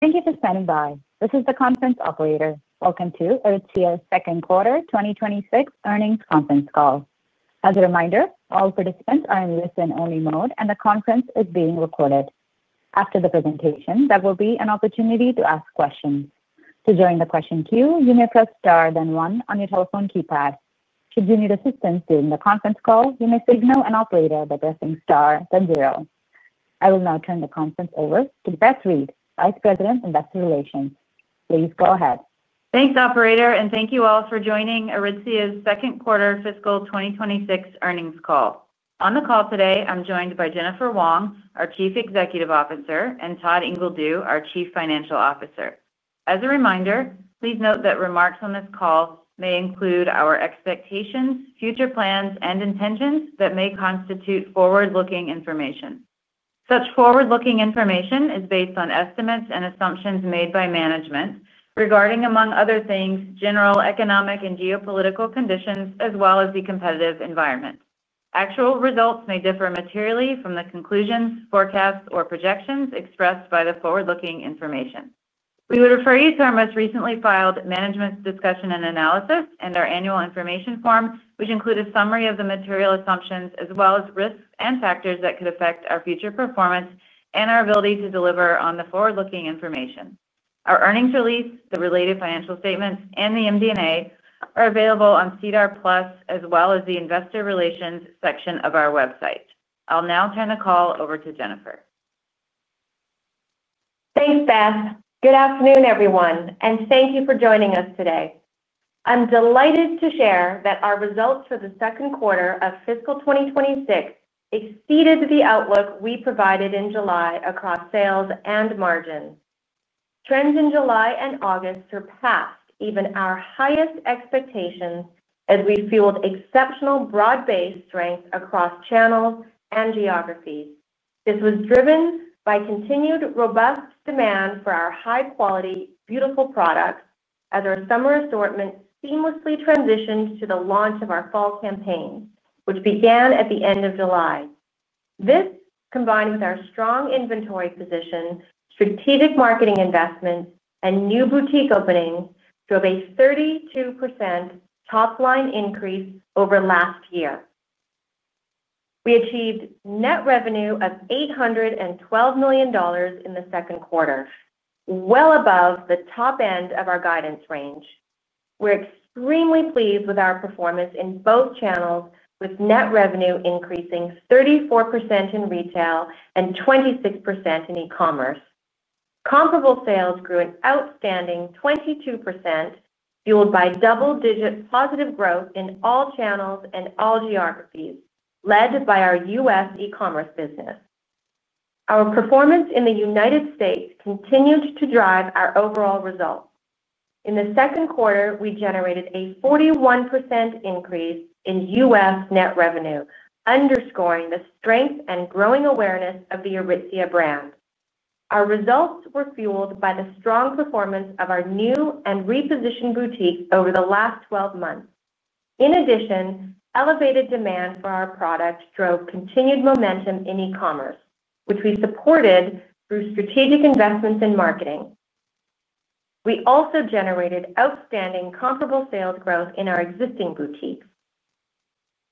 Thank you for standing by. This is the conference operator. Welcome to Aritzia's second quarter 2026 earnings conference call. As a reminder, all participants are in listen-only mode, and the conference is being recorded. After the presentation, there will be an opportunity to ask questions. To join the question queue, you may press *1 on your telephone keypad. Should you need assistance during the conference call, you may signal an operator by pressing *0. I will now turn the conference over to Beth Reed, Vice President Investor Relations. Please go ahead. Thanks, Operator, and thank you all for joining Aritzia's second quarter fiscal 2026 earnings call. On the call today, I'm joined by Jennifer Wong, our Chief Executive Officer, and Todd Ingledew, our Chief Financial Officer. As a reminder, please note that remarks on this call may include our expectations, future plans, and intentions that may constitute forward-looking information. Such forward-looking information is based on estimates and assumptions made by management regarding, among other things, general economic and geopolitical conditions, as well as the competitive environment. Actual results may differ materially from the conclusions, forecasts, or projections expressed by the forward-looking information. We would refer you to our most recently filed management's discussion and analysis and our annual information form, which include a summary of the material assumptions, as well as risks and factors that could affect our future performance and our ability to deliver on the forward-looking information. Our earnings release, the related financial statements, and the MD&A are available on SEDAR+, as well as the Investor Relations section of our website. I'll now turn the call over to Jennifer. Thanks, Beth. Good afternoon, everyone, and thank you for joining us today. I'm delighted to share that our results for the second quarter of fiscal 2026 exceeded the outlook we provided in July across sales and margins. Trends in July and August surpassed even our highest expectations as we fueled exceptional broad-based strength across channels and geographies. This was driven by continued robust demand for our high-quality, beautiful products as our summer assortment seamlessly transitioned to the launch of our fall campaign, which began at the end of July. This, combined with our strong inventory position, strategic marketing investments, and new boutique openings, drove a 32% top-line increase over last year. We achieved net revenue of $812 million in the second quarter, well above the top end of our guidance range. We're extremely pleased with our performance in both channels, with net revenue increasing 34% in retail and 26% in e-commerce. Comparable sales grew an outstanding 22%, fueled by double-digit positive growth in all channels and all geographies, led by our U.S. e-commerce business. Our performance in the United States continued to drive our overall results. In the second quarter, we generated a 41% increase in U.S. net revenue, underscoring the strength and growing awareness of the Aritzia brand. Our results were fueled by the strong performance of our new and repositioned boutiques over the last 12 months. In addition, elevated demand for our products drove continued momentum in e-commerce, which we supported through strategic investments in marketing. We also generated outstanding comparable sales growth in our existing boutiques.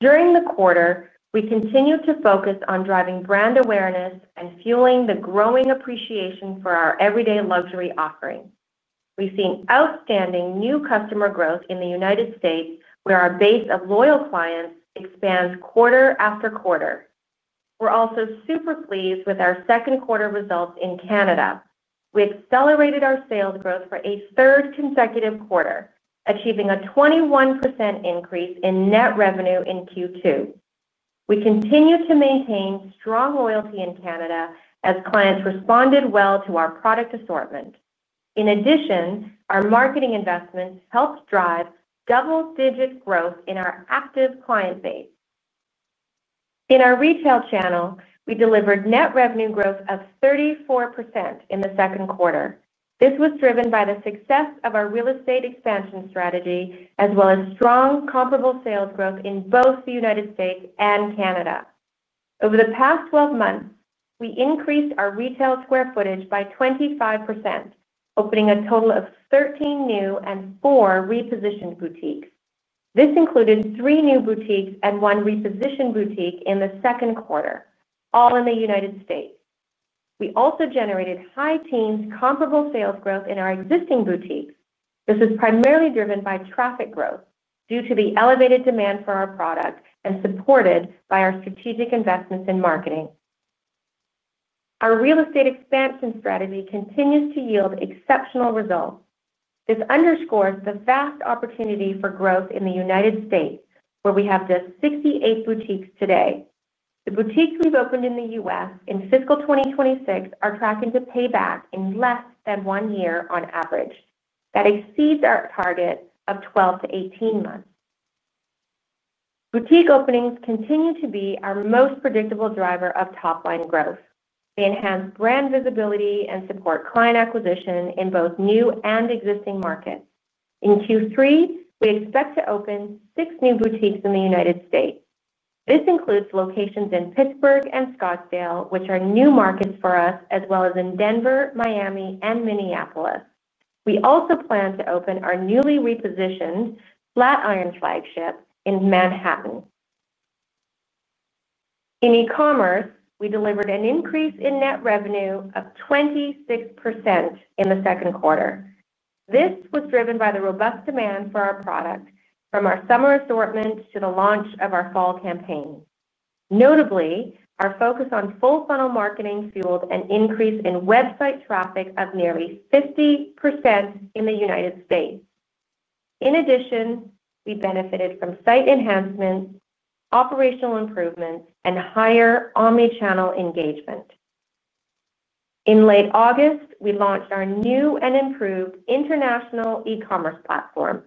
During the quarter, we continued to focus on driving brand awareness and fueling the growing appreciation for our everyday luxury offerings. We've seen outstanding new customer growth in the United States, where our base of loyal clients expands quarter after quarter. We're also super pleased with our second quarter results in Canada. We accelerated our sales growth for a third consecutive quarter, achieving a 21% increase in net revenue in Q2. We continue to maintain strong loyalty in Canada as clients responded well to our product assortment. In addition, our marketing investments helped drive double-digit growth in our active client base. In our retail channel, we delivered net revenue growth of 34% in the second quarter. This was driven by the success of our real estate expansion strategy, as well as strong comparable sales growth in both the United States and Canada. Over the past 12 months, we increased our retail square footage by 25%, opening a total of 13 new and four repositioned boutiques. This included three new boutiques and one repositioned boutique in the second quarter, all in the United States. We also generated high-teens comparable sales growth in our existing boutiques. This was primarily driven by traffic growth due to the elevated demand for our products and supported by our strategic investments in marketing. Our real estate expansion strategy continues to yield exceptional results. This underscores the vast opportunity for growth in the United States, where we have just 68 boutiques today. The boutiques we've opened in the United States in fiscal 2026 are tracking to pay back in less than one year on average. That exceeds our target of 12-18 months. Boutique openings continue to be our most predictable driver of top-line growth. They enhance brand visibility and support client acquisition in both new and existing markets. In Q3, we expect to open six new boutiques in the United States. This includes locations in Pittsburgh and Scottsdale, which are new markets for us, as well as in Denver, Miami, and Minneapolis. We also plan to open our newly repositioned Flatiron flagship in Manhattan. In e-commerce, we delivered an increase in net revenue of 26% in the second quarter. This was driven by the robust demand for our product, from our summer assortment to the launch of our fall campaign. Notably, our focus on full-funnel marketing fueled an increase in website traffic of nearly 50% in the United States. In addition, we benefited from site enhancements, operational improvements, and higher omnichannel engagement. In late August, we launched our new and improved international e-commerce platform.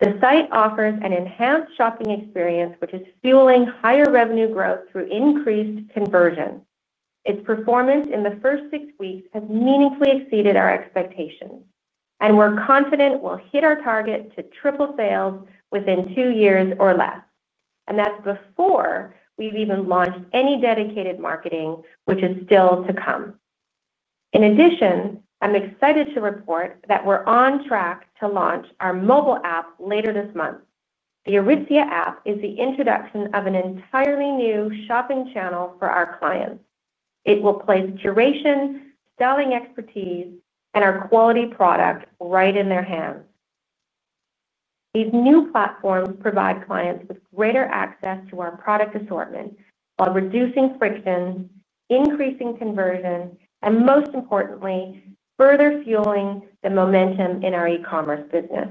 The site offers an enhanced shopping experience, which is fueling higher revenue growth through increased conversion. Its performance in the first six weeks has meaningfully exceeded our expectations, and we're confident we'll hit our target to triple sales within two years or less. That is before we've even launched any dedicated marketing, which is still to come. In addition, I'm excited to report that we're on track to launch our mobile app later this month. The Aritzia app is the introduction of an entirely new shopping channel for our clients. It will place duration, selling expertise, and our quality product right in their hands. These new platforms provide clients with greater access to our product assortment while reducing friction, increasing conversion, and most importantly, further fueling the momentum in our e-commerce business.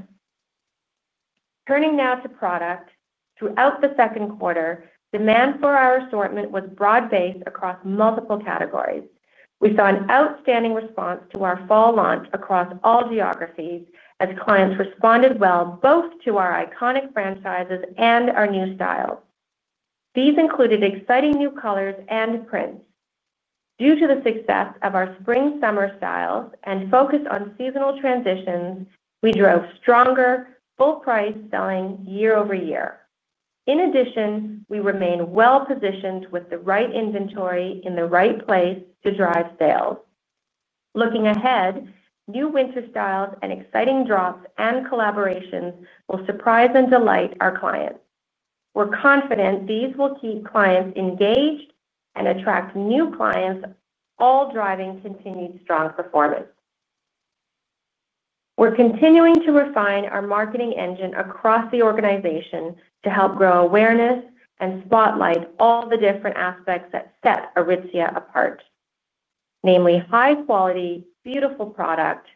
Turning now to product, throughout the second quarter, demand for our assortment was broad-based across multiple categories. We saw an outstanding response to our fall launch across all geographies as clients responded well both to our iconic franchises and our new styles. These included exciting new colors and prints. Due to the success of our spring/summer styles and focus on seasonal transitions, we drove stronger full-price selling year-over-year. In addition, we remain well-positioned with the right inventory in the right place to drive sales. Looking ahead, new winter styles and exciting drops and collaborations will surprise and delight our clients. We're confident these will keep clients engaged and attract new clients, all driving continued strong performance. We're continuing to refine our marketing engine across the organization to help grow awareness and spotlight all the different aspects that set Aritzia apart, namely high-quality, beautiful product,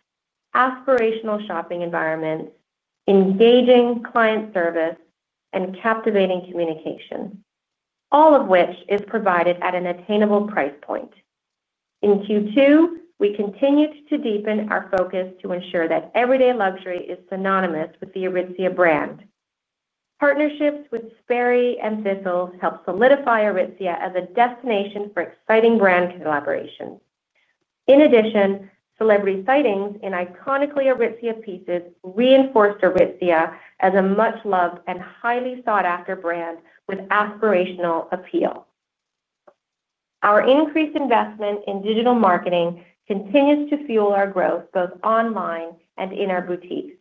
aspirational shopping environments, engaging client service, and captivating communication, all of which is provided at an attainable price point. In Q2, we continued to deepen our focus to ensure that everyday luxury is synonymous with the Aritzia brand. Partnerships with Sperry and Thistle helped solidify Aritzia as a destination for exciting brand collaborations. In addition, celebrity sightings in iconically Aritzia pieces reinforced Aritzia as a much-loved and highly sought-after brand with aspirational appeal. Our increased investment in digital marketing continues to fuel our growth both online and in our boutique.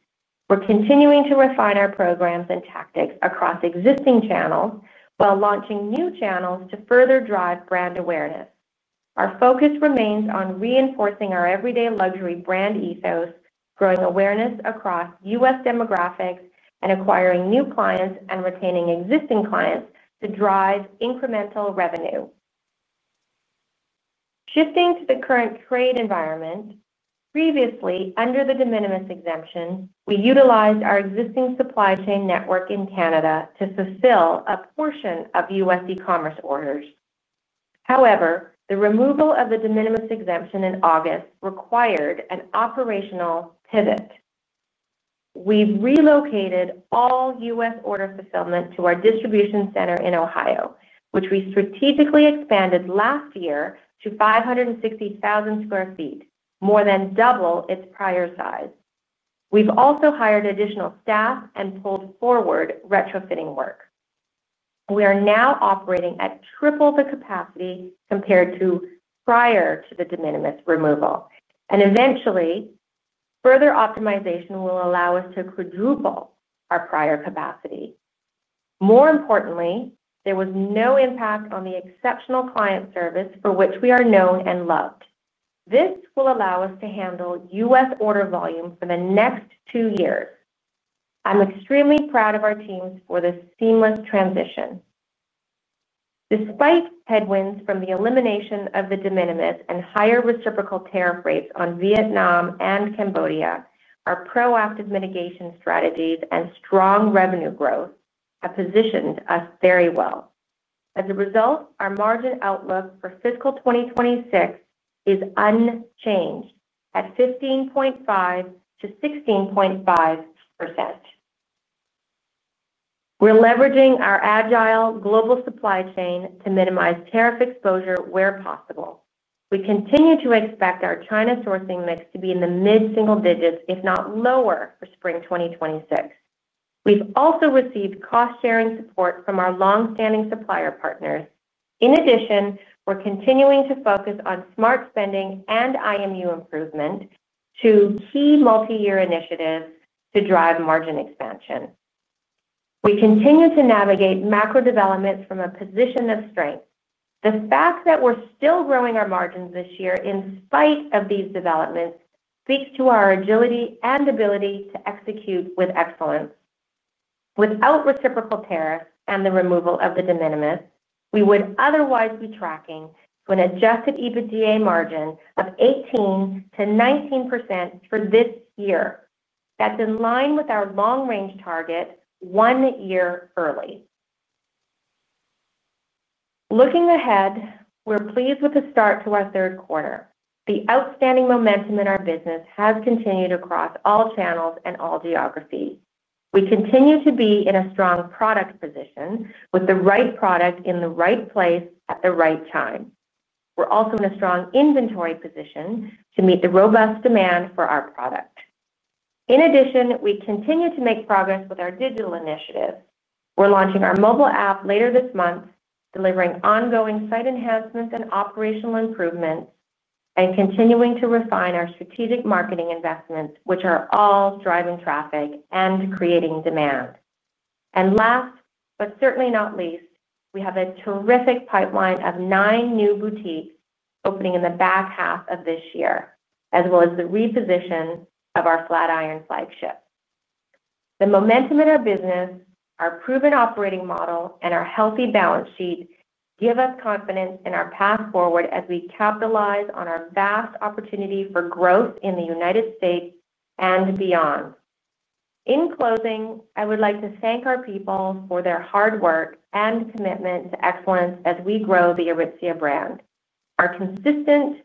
We're continuing to refine our programs and tactics across existing channels while launching new channels to further drive brand awareness. Our focus remains on reinforcing our everyday luxury brand ethos, growing awareness across U.S. demographics, and acquiring new clients and retaining existing clients to drive incremental revenue. Shifting to the current trade environment, previously under the de minimis exemption, we utilized our existing supply chain network in Canada to fulfill a portion of U.S. e-commerce orders. However, the removal of the de minimis exemption in August required an operational pivot. We've relocated all U.S. order fulfillment to our distribution center in Ohio, which we strategically expanded last year to 560,000 sq ft, more than double its prior size. We've also hired additional staff and pulled forward retrofitting work. We are now operating at triple the capacity compared to prior to the de minimis removal, and eventually, further optimization will allow us to quadruple our prior capacity. More importantly, there was no impact on the exceptional client service for which we are known and loved. This will allow us to handle U.S. order volume for the next two years. I'm extremely proud of our teams for this seamless transition. Despite headwinds from the elimination of the de minimis and higher reciprocal tariff rates on Vietnam and Cambodia, our proactive mitigation strategies and strong revenue growth have positioned us very well. As a result, our margin outlook for fiscal 2026 is unchanged at 15.5%-16.5%. We're leveraging our agile global supply chain to minimize tariff exposure where possible. We continue to expect our China sourcing mix to be in the mid-single digits, if not lower, for spring 2026. We've also received cost-sharing support from our longstanding supplier partners. In addition, we're continuing to focus on smart spending and IMU improvement to key multi-year initiatives to drive margin expansion. We continue to navigate macro developments from a position of strength. The fact that we're still growing our margins this year in spite of these developments speaks to our agility and ability to execute with excellence. Without reciprocal tariffs and the removal of the de minimis, we would otherwise be tracking an adjusted EBITDA margin of 18%-19% for this year. That's in line with our long-range target one year early. Looking ahead, we're pleased with the start to our third quarter. The outstanding momentum in our business has continued across all channels and all geographies. We continue to be in a strong product position with the right product in the right place at the right time. We're also in a strong inventory position to meet the robust demand for our product. In addition, we continue to make progress with our digital initiatives. We're launching our mobile app later this month, delivering ongoing site enhancements and operational improvements, and continuing to refine our strategic marketing investments, which are all driving traffic and creating demand. Last but certainly not least, we have a terrific pipeline of nine new boutiques opening in the back half of this year, as well as the reposition of our Flatiron flagship. The momentum in our business, our proven operating model, and our healthy balance sheet give us confidence in our path forward as we capitalize on our vast opportunity for growth in the United States and beyond. In closing, I would like to thank our people for their hard work and commitment to excellence as we grow the Aritzia brand. Our consistent,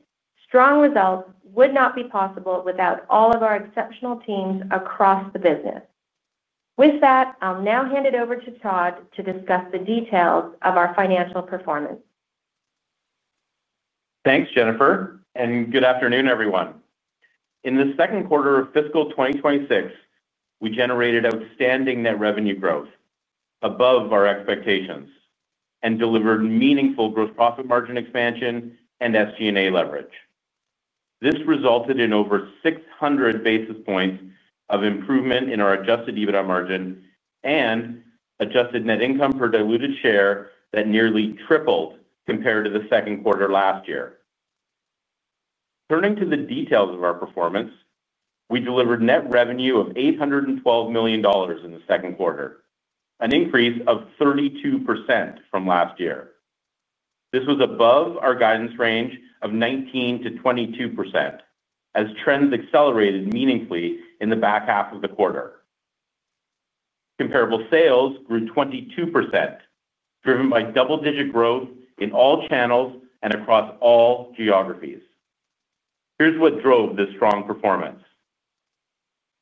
strong results would not be possible without all of our exceptional teams across the business. With that, I'll now hand it over to Todd to discuss the details of our financial performance. Thanks, Jennifer, and good afternoon, everyone. In the second quarter of fiscal 2026, we generated outstanding net revenue growth above our expectations and delivered meaningful gross profit margin expansion and SG&A leverage. This resulted in over 600 basis points of improvement in our adjusted EBITDA margin and adjusted net income per diluted share that nearly tripled compared to the second quarter last year. Turning to the details of our performance, we delivered net revenue of $812 million in the second quarter, an increase of 32% from last year. This was above our guidance range of 19%-22% as trends accelerated meaningfully in the back half of the quarter. Comparable sales grew 22%, driven by double-digit growth in all channels and across all geographies. Here's what drove this strong performance.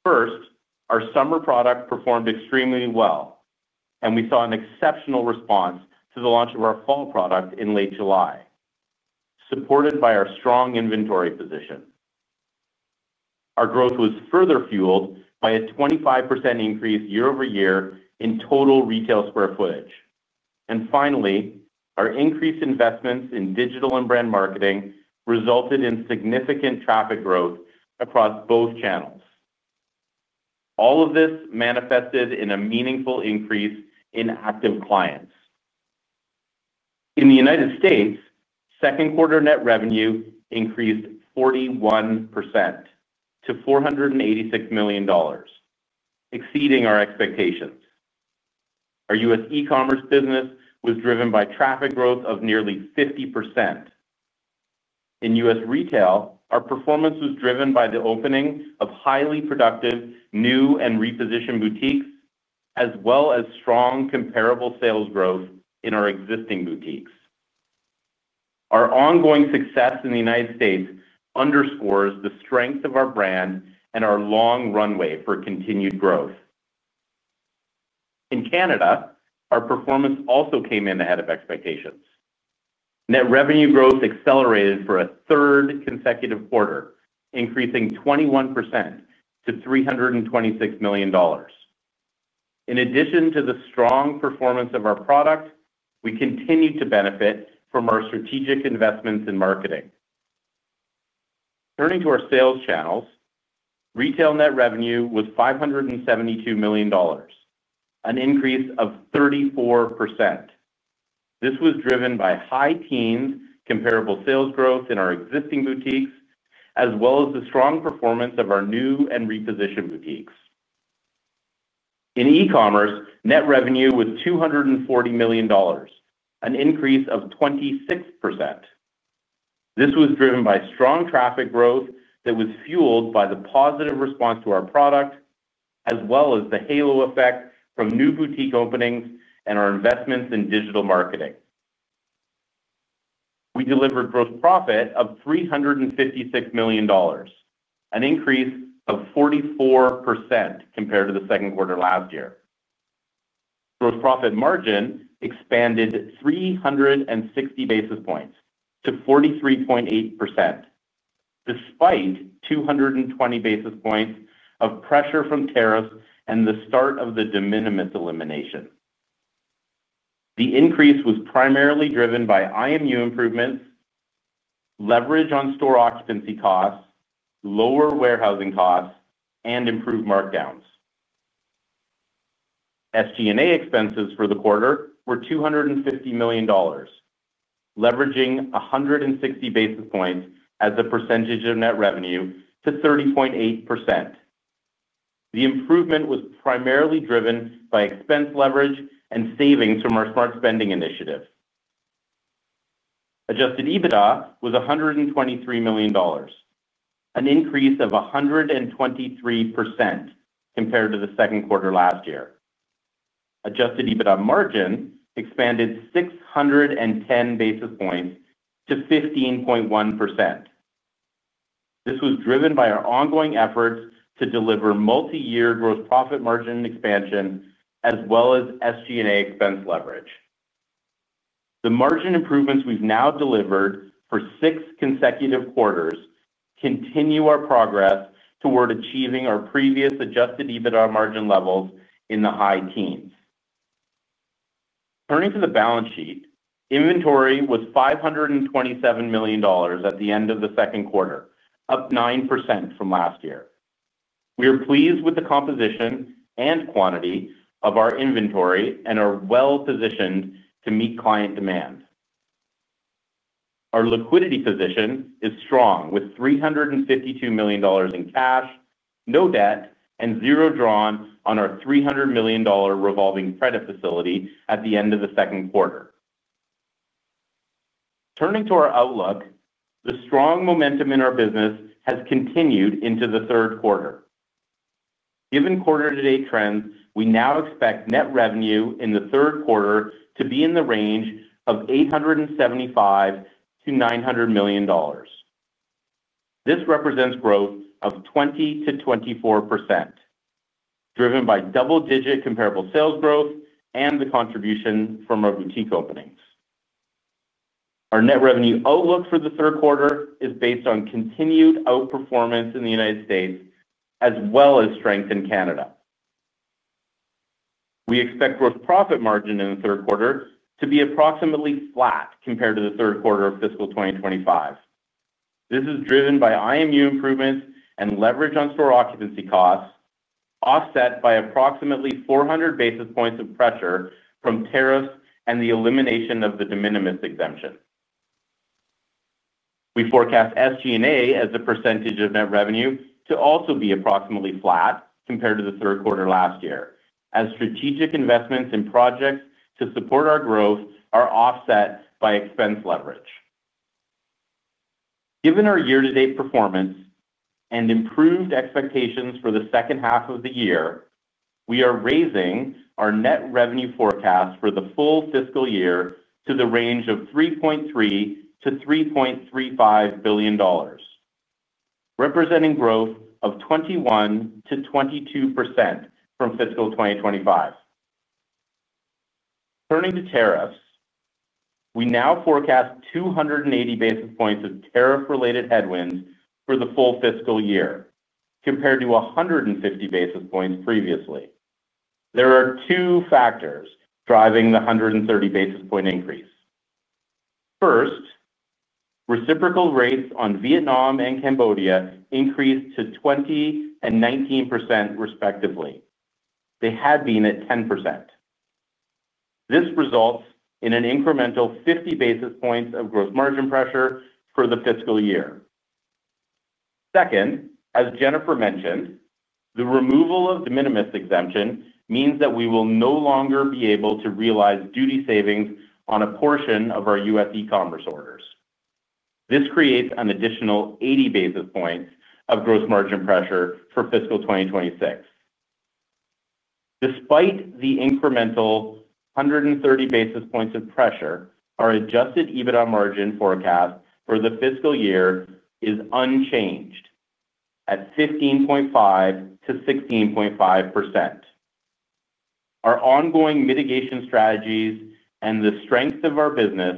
First, our summer product performed extremely well, and we saw an exceptional response to the launch of our fall product in late July, supported by our strong inventory position. Our growth was further fueled by a 25% increase year-over-year in total retail square footage. Finally, our increased investments in digital and brand marketing resulted in significant traffic growth across both channels. All of this manifested in a meaningful increase in active clients. In the United States, second quarter net revenue increased 41% to $486 million, exceeding our expectations. Our U.S. e-commerce business was driven by traffic growth of nearly 50%. In U.S. retail, our performance was driven by the opening of highly productive new and repositioned boutiques, as well as strong comparable sales growth in our existing boutiques. Our ongoing success in the United States underscores the strength of our brand and our long runway for continued growth. In Canada, our performance also came in ahead of expectations. Net revenue growth accelerated for a third consecutive quarter, increasing 21% to $326 million. In addition to the strong performance of our product, we continued to benefit from our strategic investments in marketing. Turning to our sales channels, retail net revenue was $572 million, an increase of 34%. This was driven by high teens comparable sales growth in our existing boutiques, as well as the strong performance of our new and repositioned boutiques. In e-commerce, net revenue was $240 million, an increase of 26%. This was driven by strong traffic growth that was fueled by the positive response to our product, as well as the halo effect from new boutique openings and our investments in digital marketing. We delivered gross profit of $356 million, an increase of 44% compared to the second quarter last year. Gross profit margin expanded 360 basis points to 43.8%, despite 220 basis points of pressure from tariffs and the start of the de minimis elimination. The increase was primarily driven by IMU improvements, leverage on store occupancy costs, lower warehousing costs, and improved markdowns. SG&A expenses for the quarter were $250 million, leveraging 160 basis points as a percentage of net revenue to 30.8%. The improvement was primarily driven by expense leverage and savings from our smart spending initiative. Adjusted EBITDA was $123 million, an increase of 123% compared to the second quarter last year. Adjusted EBITDA margin expanded 610 basis points to 15.1%. This was driven by our ongoing efforts to deliver multi-year gross profit margin expansion, as well as SG&A expense leverage. The margin improvements we've now delivered for six consecutive quarters continue our progress toward achieving our previous adjusted EBITDA margin levels in the high teens. Turning to the balance sheet, inventory was $527 million at the end of the second quarter, up 9% from last year. We are pleased with the composition and quantity of our inventory and are well-positioned to meet client demand. Our liquidity position is strong with $352 million in cash, no debt, and zero drawn on our $300 million revolving credit facility at the end of the second quarter. Turning to our outlook, the strong momentum in our business has continued into the third quarter. Given quarter-to-date trends, we now expect net revenue in the third quarter to be in the range of $875 million-$900 million. This represents growth of 20%-24%, driven by double-digit comparable sales growth and the contribution from our boutique openings. Our net revenue outlook for the third quarter is based on continued outperformance in the United States, as well as strength in Canada. We expect gross profit margin in the third quarter to be approximately flat compared to the third quarter of fiscal 2025. This is driven by IMU improvements and leverage on store occupancy costs, offset by approximately 400 basis points of pressure from tariffs and the elimination of the de minimis exemption. We forecast SG&A as a percentage of net revenue to also be approximately flat compared to the third quarter last year, as strategic investments in projects to support our growth are offset by expense leverage. Given our year-to-date performance and improved expectations for the second half of the year, we are raising our net revenue forecast for the full fiscal year to the range of $3.3 billion-$3.35 billion, representing growth of 21%-22% from fiscal 2025. Turning to tariffs, we now forecast 280 basis points of tariff-related headwinds for the full fiscal year, compared to 150 basis points previously. There are two factors driving the 130 basis point increase. First, reciprocal rates on Vietnam and Cambodia increased to 20% and 19% respectively. They had been at 10%. This results in an incremental 50 basis points of gross margin pressure for the fiscal year. Second, as Jennifer mentioned, the removal of de minimis exemption means that we will no longer be able to realize duty savings on a portion of our U.S. e-commerce orders. This creates an additional 80 basis points of gross margin pressure for fiscal 2026. Despite the incremental 130 basis points of pressure, our adjusted EBITDA margin forecast for the fiscal year is unchanged at 15.5%-16.5%. Our ongoing mitigation strategies and the strength of our business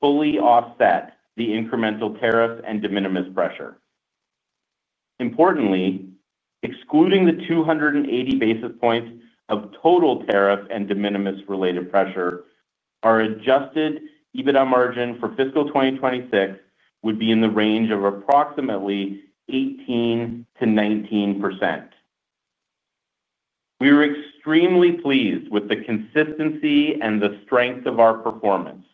fully offset the incremental tariffs and de minimis pressure. Importantly, excluding the 280 basis points of total tariff and de minimis related pressure, our adjusted EBITDA margin for fiscal 2026 would be in the range of approximately 18%-19%. We are extremely pleased with the consistency and the strength of our performance.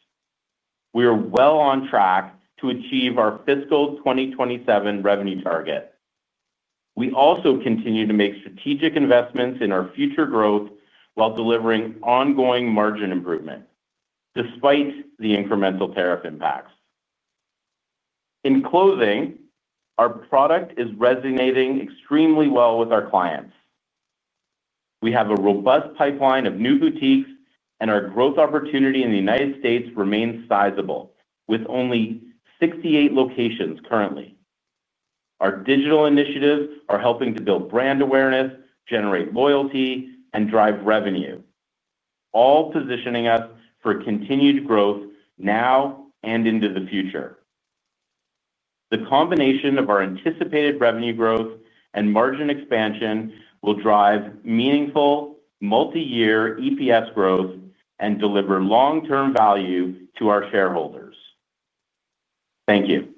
We are well on track to achieve our fiscal 2027 revenue target. We also continue to make strategic investments in our future growth while delivering ongoing margin improvement, despite the incremental tariff impacts. In closing, our product is resonating extremely well with our clients. We have a robust pipeline of new boutiques, and our growth opportunity in the United States remains sizable, with only 68 locations currently. Our digital initiatives are helping to build brand awareness, generate loyalty, and drive revenue, all positioning us for continued growth now and into the future. The combination of our anticipated revenue growth and margin expansion will drive meaningful multi-year EPS growth and deliver long-term value to our shareholders. Thank you.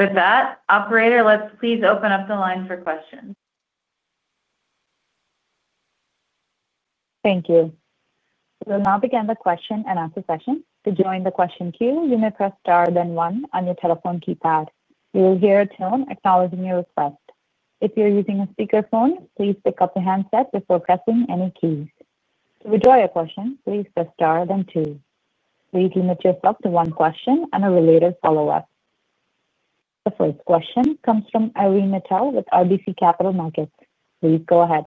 With that, Operator, let's please open up the line for questions. Thank you. We will now begin the question-and-answer session. To join the question queue, you may press *1 on your telephone keypad. You will hear a tone acknowledging your request. If you're using a speakerphone, please pick up the handset before pressing any keys. To withdraw your question, please press *2. We do need to accept one question and a related follow-up. The first question comes from Irene Nattel with RBC Capital Markets. Please go ahead.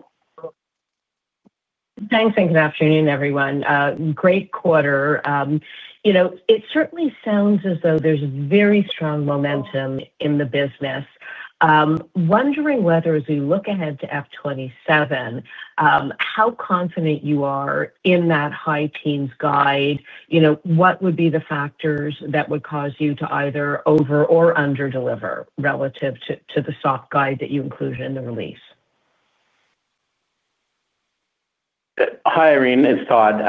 Thanks, and good afternoon, everyone. Great quarter. It certainly sounds as though there's very strong momentum in the business. Wondering whether, as we look ahead to F2027, how confident you are in that high-teens guide. What would be the factors that would cause you to either over or under-deliver relative to the soft guide that you included in the release? Hi, Irene. It's Todd.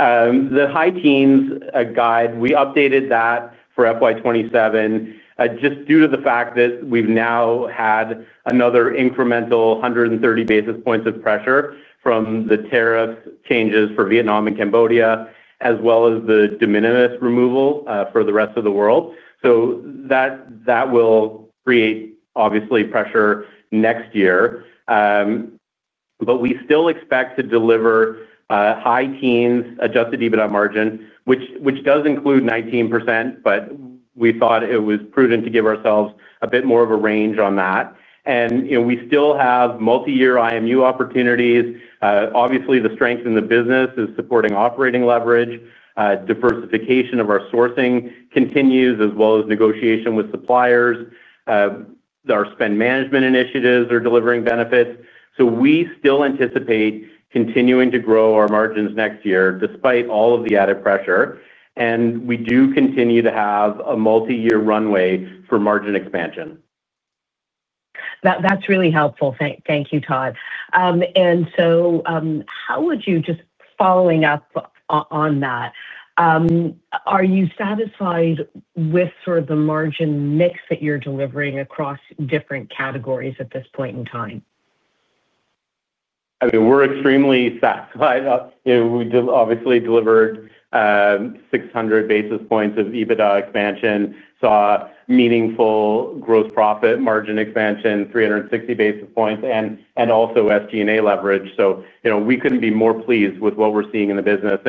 The high-teens guide, we updated that for FY2027 just due to the fact that we've now had another incremental 130 basis points of pressure from the tariff changes for Vietnam and Cambodia, as well as the de minimis removal for the rest of the world. That will create, obviously, pressure next year. We still expect to deliver high-teens adjusted EBITDA margin, which does include 19%, but we thought it was prudent to give ourselves a bit more of a range on that. We still have multi-year IMU opportunities. Obviously, the strength in the business is supporting operating leverage. Diversification of our sourcing continues, as well as negotiation with suppliers. Our spend management initiatives are delivering benefits. We still anticipate continuing to grow our margins next year, despite all of the added pressure. We do continue to have a multi-year runway for margin expansion. That's really helpful. Thank you, Todd. How would you, just following up on that, are you satisfied with sort of the margin mix that you're delivering across different categories at this point in time? We're extremely satisfied. We obviously delivered 600 basis points of EBITDA expansion, saw meaningful gross profit margin expansion, 360 basis points, and also SG&A leverage. We couldn't be more pleased with what we're seeing in the business.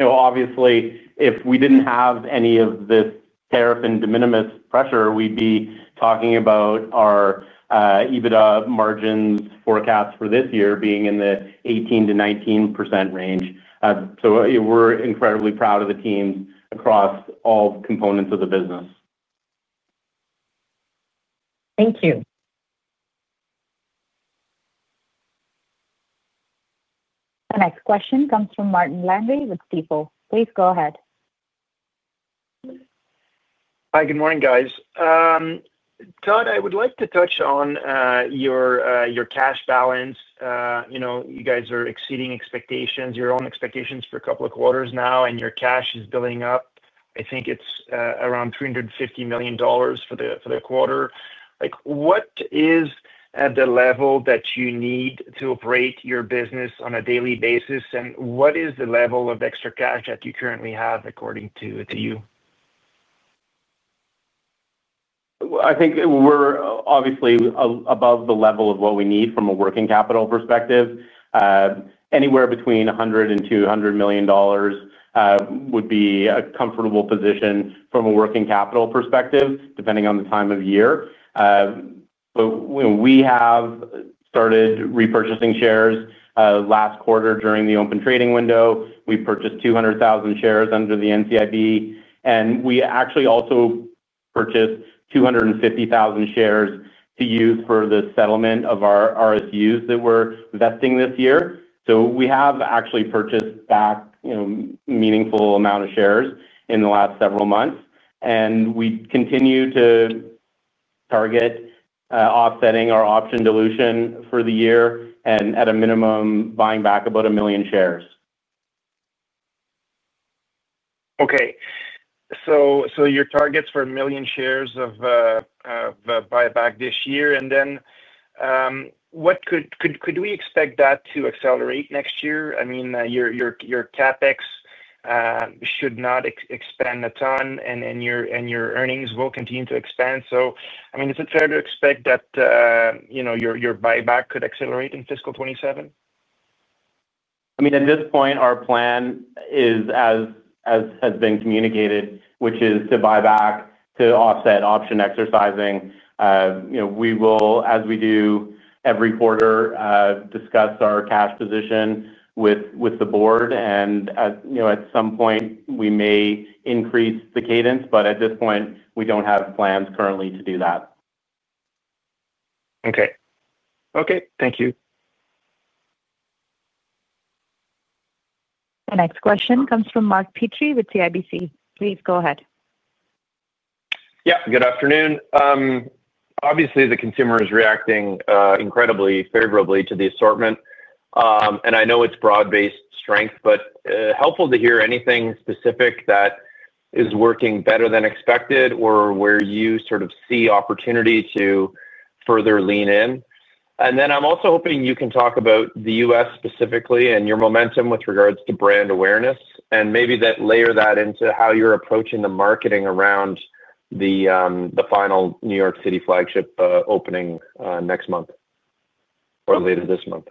Obviously, if we didn't have any of this tariff and de minimis pressure, we'd be talking about our EBITDA margin forecasts for this year being in the 18%-19% range. We're incredibly proud of the teams across all components of the business. Thank you. The next question comes from Martin Landry with Stifel. Please go ahead. Hi, good morning, guys. Todd, I would like to touch on your cash balance. You know, you guys are exceeding expectations, your own expectations for a couple of quarters now, and your cash is building up. I think it's around $350 million for the quarter. What is at the level that you need to operate your business on a daily basis? What is the level of extra cash that you currently have according to you? I think we're obviously above the level of what we need from a working capital perspective. Anywhere between $100 million and $200 million would be a comfortable position from a working capital perspective, depending on the time of year. We have started repurchasing shares last quarter during the open trading window. We purchased 200,000 shares under the NCIB, and we actually also purchased 250,000 shares to use for the settlement of our RSUs that are vesting this year. We have actually purchased back a meaningful amount of shares in the last several months. We continue to target offsetting our option dilution for the year and, at a minimum, buying back about a million shares. OK. Your targets for a million shares of buyback this year, what could we expect that to accelerate next year? I mean, your CapEx should not expand a ton, and your earnings will continue to expand. Is it fair to expect that your buyback could accelerate in fiscal 2027? At this point, our plan is, as has been communicated, which is to buy back to offset option exercising. We will, as we do every quarter, discuss our cash position with the board. At some point, we may increase the cadence, but at this point, we don't have plans currently to do that. OK. OK. Thank you. The next question comes from Mark Petrie with CIBC. Please go ahead. Good afternoon. Obviously, the consumer is reacting incredibly favorably to the assortment. I know it's broad-based strength, but helpful to hear anything specific that is working better than expected or where you sort of see opportunity to further lean in. I'm also hoping you can talk about the U.S. specifically and your momentum with regards to brand awareness and maybe layer that into how you're approaching the marketing around the final New York City flagship opening next month or later this month.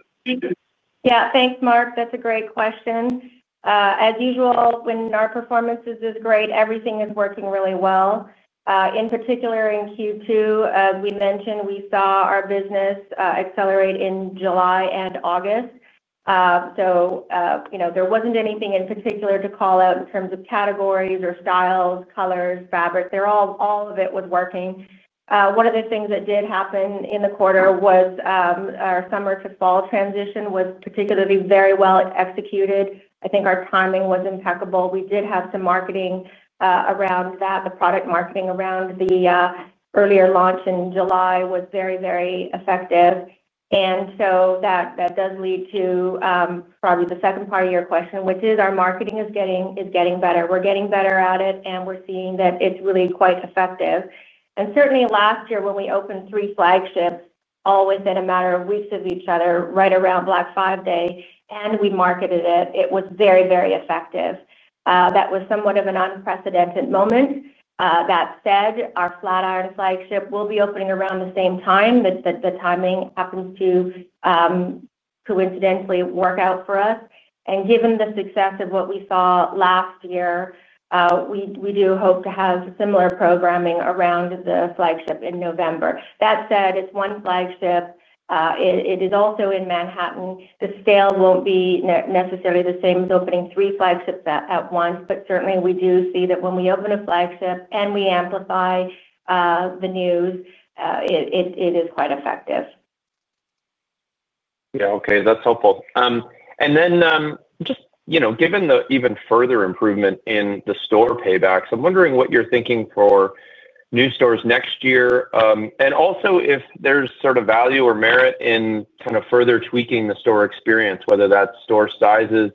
Yeah. Thanks, Mark. That's a great question. As usual, when our performance is great, everything is working really well. In particular, in Q2, we mentioned we saw our business accelerate in July and August. There wasn't anything in particular to call out in terms of categories or styles, colors, fabric. All of it was working. One of the things that did happen in the quarter was our summer to fall transition was particularly very well executed. I think our timing was impeccable. We did have some marketing around that. The product marketing around the earlier launch in July was very, very effective. That does lead to probably the second part of your question, which is our marketing is getting better. We're getting better at it, and we're seeing that it's really quite effective. Certainly, last year, when we opened three flagships, always in a matter of weeks of each other, right around Black Friday, and we marketed it, it was very, very effective. That was somewhat of an unprecedented moment. That said, our Flatiron flagship will be opening around the same time. The timing happened to coincidentally work out for us. Given the success of what we saw last year, we do hope to have similar programming around the flagship in November. That said, it's one flagship. It is also in Manhattan. The scale won't be necessarily the same as opening three flagships at once, but certainly, we do see that when we open a flagship and we amplify the news, it is quite effective. OK. That's helpful. Given the even further improvement in the store paybacks, I'm wondering what you're thinking for new stores next year and also if there's sort of value or merit in kind of further tweaking the store experience, whether that's store sizes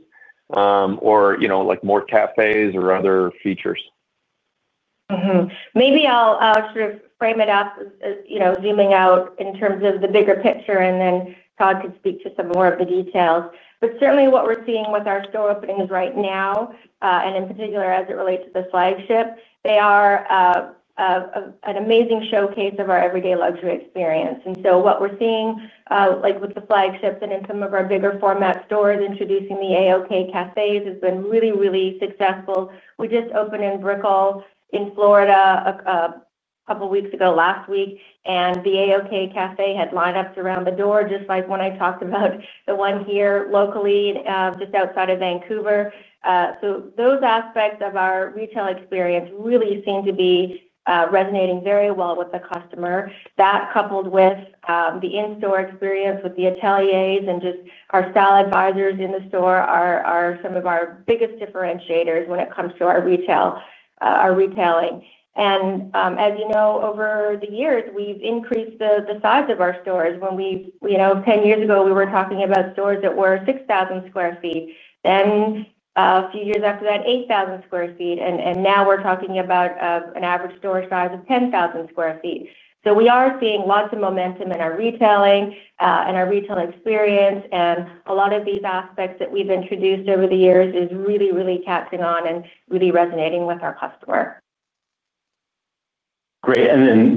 or more cafes or other features. Maybe I'll sort of frame it up, zooming out in terms of the bigger picture, and then Todd could speak to some more of the details. Certainly, what we're seeing with our store openings right now, and in particular as it relates to the flagship, they are an amazing showcase of our everyday luxury experience. What we're seeing with the flagship and in some of our bigger format stores introducing the A-OK cafes has been really, really successful. We just opened in Brickell in Florida a couple of weeks ago last week, and the A-OK cafe had lineups around the door, just like when I talked about the one here locally just outside of Vancouver. Those aspects of our retail experience really seem to be resonating very well with the customer. That, coupled with the in-store experience with the ateliers and just our style advisors in the store, are some of our biggest differentiators when it comes to our retailing. As you know, over the years, we've increased the size of our stores. Ten years ago, we were talking about stores that were 6,000 sq ft. A few years after that, 8,000 sq ft. Now we're talking about an average store size of 10,000 sq ft. We are seeing lots of momentum in our retailing and our retail experience. A lot of these aspects that we've introduced over the years are really, really catching on and really resonating with our customer. Great.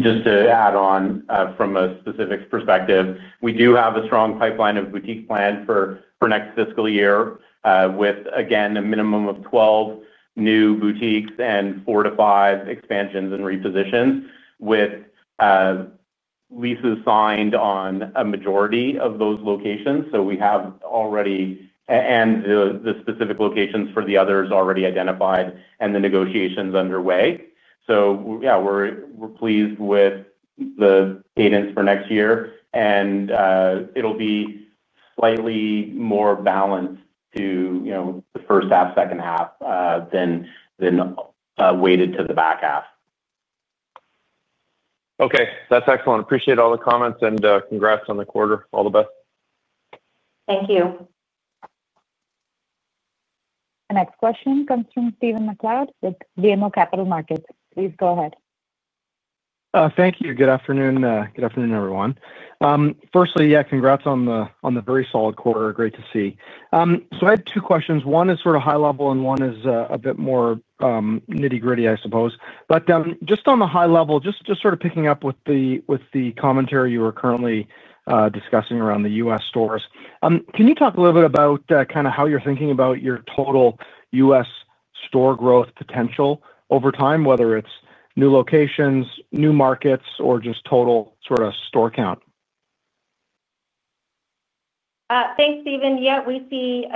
Just to add on from a specifics perspective, we do have a strong pipeline of boutiques planned for next fiscal year with, again, a minimum of 12 new boutiques and four to five expansions and repositions, with leases signed on a majority of those locations. We have already the specific locations for the others already identified and the negotiations underway. We're pleased with the cadence for next year, and it'll be slightly more balanced to the first half, second half than weighted to the back half. OK. That's excellent. Appreciate all the comments and congrats on the quarter. All the best. Thank you. The next question comes from Stephen MacLeod with BMO Capital Markets. Please go ahead. Thank you. Good afternoon, everyone. Firstly, congrats on the very solid quarter. Great to see. I had two questions. One is sort of high level, and one is a bit more nitty-gritty, I suppose. On the high level, picking up with the commentary you were currently discussing around the U.S. stores, can you talk a little bit about how you're thinking about your total U.S. store growth potential over time, whether it's new locations, new markets, or just total sort of store count? Thanks, Stephen. Yeah, we see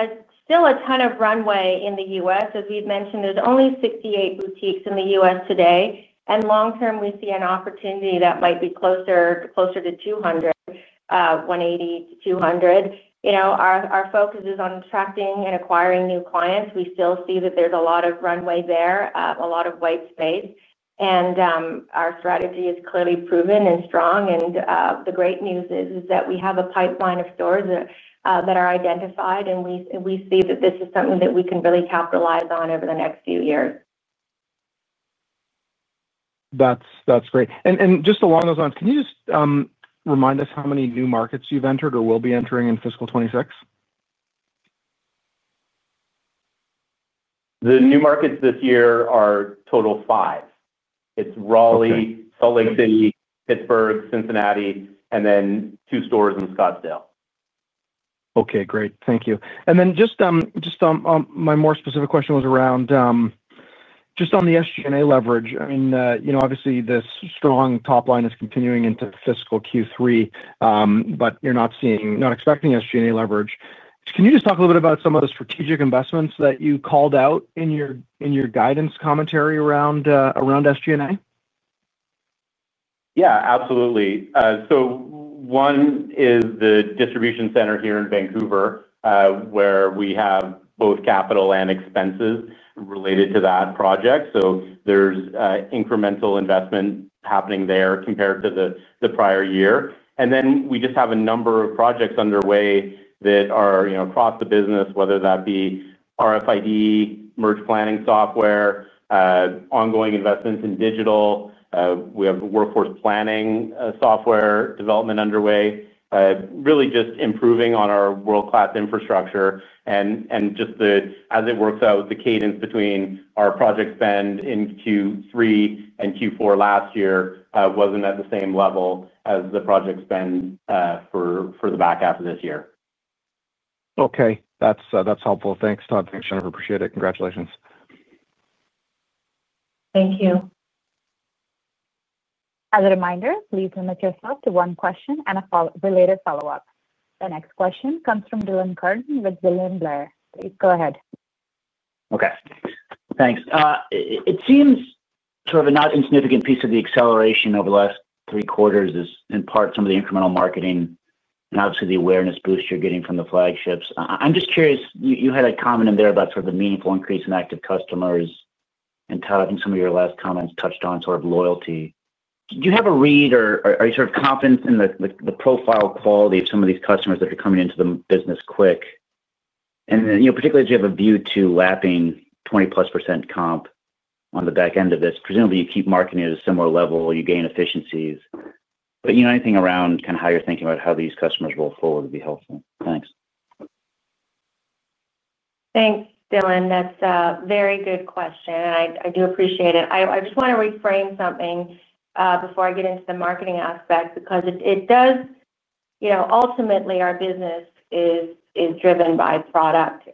still a ton of runway in the U.S. As we've mentioned, there's only 68 boutiques in the U.S. today. Long term, we see an opportunity that might be closer to 180-200. Our focus is on attracting and acquiring new clients. We still see that there's a lot of runway there, a lot of white space. Our strategy is clearly proven and strong. The great news is that we have a pipeline of stores that are identified, and we see that this is something that we can really capitalize on over the next few years. That's great. Just along those lines, can you just remind us how many new markets you've entered or will be entering in fiscal 2026? The new markets this year are total five: Raleigh, Salt Lake City, Pittsburgh, Cincinnati, and then two stores in Scottsdale. OK. Great. Thank you. Just my more specific question was around just on the SG&A leverage. I mean, you know, obviously, this strong top line is continuing into fiscal Q3, but you're not seeing, not expecting SG&A leverage. Can you just talk a little bit about some of the strategic investments that you called out in your guidance commentary around SG&A? Yeah, absolutely. One is the distribution center here in Vancouver, where we have both capital and expenses related to that project. There's incremental investment happening there compared to the prior year. We just have a number of projects underway that are across the business, whether that be RFID, merch planning software, ongoing investments in digital. We have workforce planning software development underway, really just improving on our world-class infrastructure. As it works out, the cadence between our project spend in Q3 and Q4 last year wasn't at the same level as the project spend for the back half of this year. OK. That's helpful. Thanks, Todd. Thanks, Jennifer. Appreciate it. Congratulations. Thank you. As a reminder, please limit yourself to one question and a related follow-up. The next question comes from Dylan Carden with William Blair. Please go ahead. OK. Thanks. It seems sort of a not insignificant piece of the acceleration over the last three quarters is in part some of the incremental marketing and obviously the awareness boost you're getting from the flagships. I'm just curious, you had a comment in there about sort of the meaningful increase in active customers. And Todd, I think some of your last comments touched on sort of loyalty. Do you have a read or are you sort of confident in the profile quality of some of these customers that are coming into the business quick? Particularly as you have a view to lapping 20%+ comp on the back end of this, presumably you keep marketing at a similar level, you gain efficiencies. You know, anything around kind of how you're thinking about how these customers roll forward would be helpful. Thanks. Thanks, Dylan. That's a very good question, and I do appreciate it. I just want to reframe something before I get into the marketing aspect, because ultimately, our business is driven by product.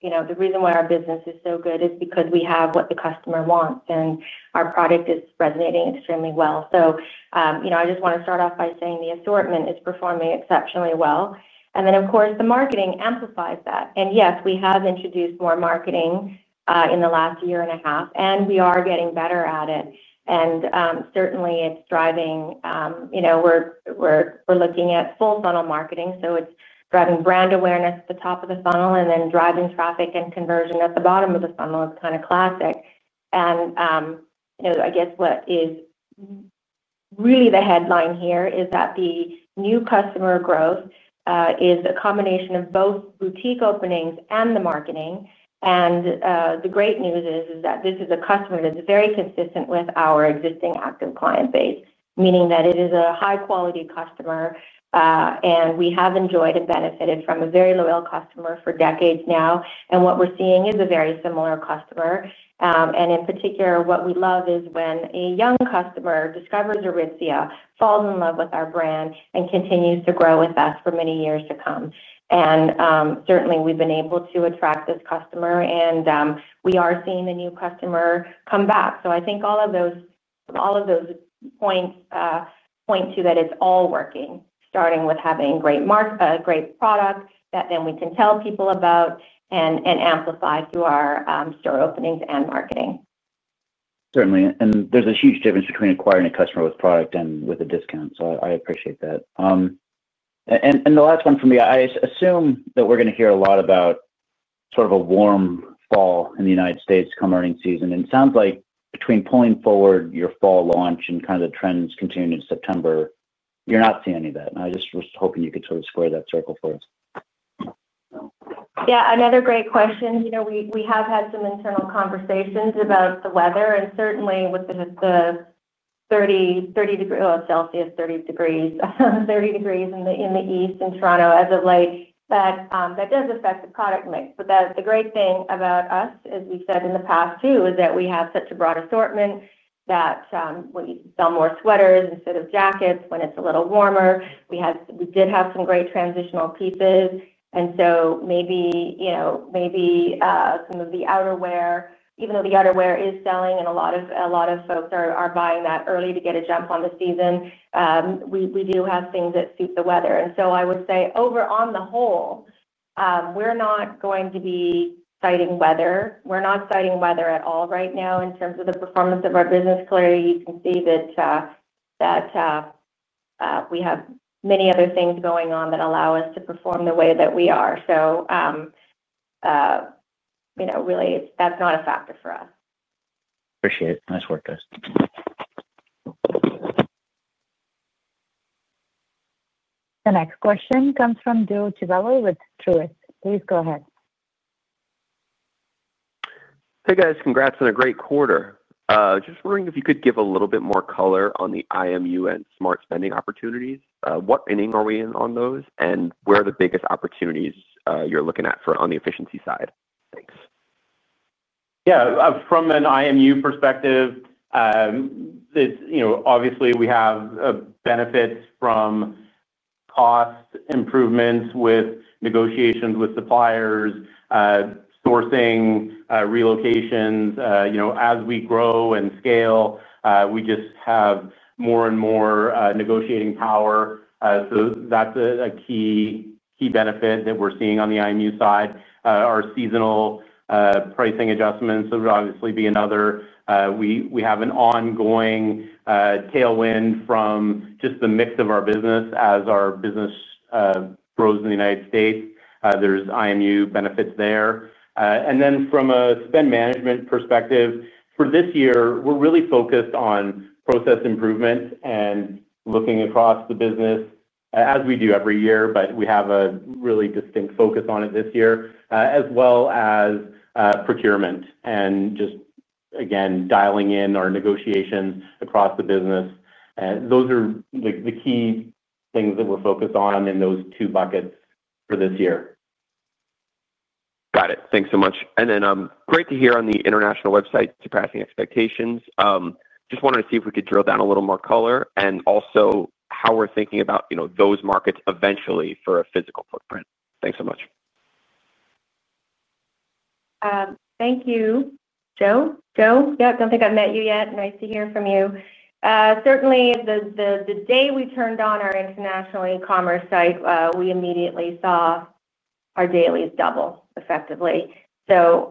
The reason why our business is so good is because we have what the customer wants, and our product is resonating extremely well. I just want to start off by saying the assortment is performing exceptionally well. Of course, the marketing amplifies that. Yes, we have introduced more marketing in the last year and a half, and we are getting better at it. Certainly, it's driving, we're looking at full funnel marketing. It's driving brand awareness at the top of the funnel and then driving traffic and conversion at the bottom of the funnel, kind of classic. What is really the headline here is that the new customer growth is a combination of both boutique openings and the marketing. The great news is that this is a customer that's very consistent with our existing active client base, meaning that it is a high-quality customer. We have enjoyed and benefited from a very loyal customer for decades now. What we're seeing is a very similar customer. In particular, what we love is when a young customer discovers Aritzia, falls in love with our brand, and continues to grow with us for many years to come. Certainly, we've been able to attract this customer, and we are seeing the new customer come back. I think all of those points point to that it's all working, starting with having a great product that then we can tell people about and amplify through our store openings and marketing. Certainly. There is a huge difference between acquiring a customer with product and with a discount. I appreciate that. The last one from me, I assume that we are going to hear a lot about sort of a warm fall in the United States come earning season. It sounds like between pulling forward your fall launch and kind of the trends continuing in September. You are not seeing any of that? I just was hoping you could sort of square that circle for us. Yeah. Another great question. We have had some internal conversations about the weather. Certainly, with the 30°C, 30°C in the east in Toronto as of late, that does affect the product mix. The great thing about us, as we've said in the past too, is that we have such a broad assortment that we sell more sweaters instead of jackets when it's a little warmer. We did have some great transitional pieces. Maybe some of the outerwear, even though the outerwear is selling and a lot of folks are buying that early to get a jump on the season, we do have things that suit the weather. I would say, on the whole, we're not going to be citing weather. We're not citing weather at all right now in terms of the performance of our business. Clearly, you can see that we have many other things going on that allow us to perform the way that we are. Really, that's not a factor for us. Appreciate it. Nice work, guys. The next question comes from Joe Civello with Truist. Please go ahead. Hey, guys. Congrats on a great quarter. Just wondering if you could give a little bit more color on the IMU and smart spending opportunities. What inning are we in on those? Where are the biggest opportunities you're looking at on the efficiency side? Thanks. Yeah. From an IMU perspective, obviously, we have benefits from cost improvements with negotiations with suppliers, sourcing, relocations. As we grow and scale, we just have more and more negotiating power. That's a key benefit that we're seeing on the IMU side. Our seasonal pricing adjustments would obviously be another. We have an ongoing tailwind from just the mix of our business as our business grows in the United States. There's IMU benefits there. From a spend management perspective, for this year, we're really focused on process improvement and looking across the business, as we do every year. We have a really distinct focus on it this year, as well as procurement and just, again, dialing in our negotiations across the business. Those are the key things that we're focused on in those two buckets for this year. Got it. Thanks so much. Great to hear on the international website surpassing expectations. Just wanted to see if we could drill down a little more color and also how we're thinking about those markets eventually for a physical footprint. Thanks so much. Thank you. Joe? Yeah, I don't think I've met you yet. Nice to hear from you. Certainly, the day we turned on our international e-commerce site, we immediately saw our dailies double, effectively. That